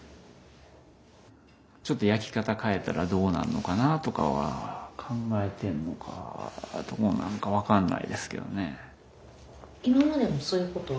ちょっと焼き方変えたらどうなるのかなとかは考えてんのかはどうなのか分かんないですけどね。